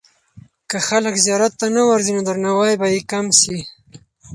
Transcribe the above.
که خلک زیارت ته نه ورځي، نو درناوی به یې کم سي.